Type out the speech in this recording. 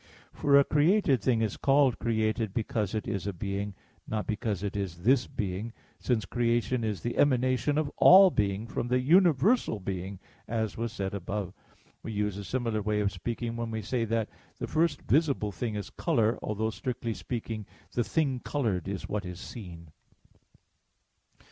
For a created thing is called created because it is a being, not because it is "this" being, since creation is the emanation of all being from the Universal Being, as was said above (A. 1). We use a similar way of speaking when we say that "the first visible thing is color," although, strictly speaking, the thing colored is what is seen.